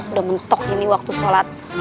udah mentok ini waktu sholat